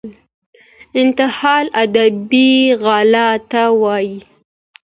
انتحال ادبي غلا ته وايي.